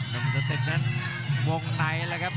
หลุมสตึกนั้นวงไหนละครับ